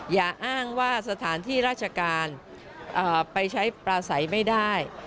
อย่าอ้างว่าสถานที่ราชการไปใช้ปลาใสไม่ได้